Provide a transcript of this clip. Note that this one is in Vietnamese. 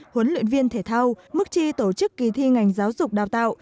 huấn luyện viên thể thao mức chi tổ chức kỳ thi ngành giáo dục đào tạo